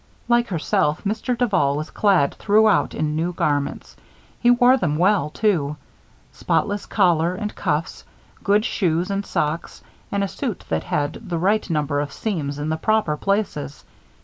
Like herself, Mr. Duval was clad throughout in new garments. He wore them well, too. Spotless collar and cuffs, good shoes and socks, and a suit that had the right number of seams in the proper places.